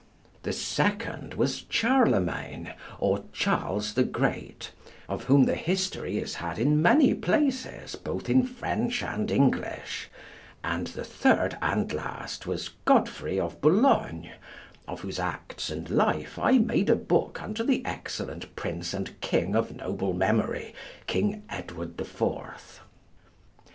The second was Charlemagne, or Charles the Great, of whom the history is had in many places both in French and English; and the third and last was Godfrey of Boulogne, of whose acts and life I made a book unto the excellent prince and king of noble memory, King Edward the Fourth.